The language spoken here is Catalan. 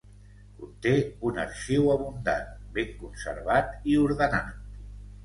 Conté un arxiu abundant, ben conservat i ordenat.